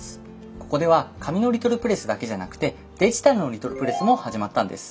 ここでは紙のリトルプレスだけじゃなくてデジタルのリトルプレスも始まったんです。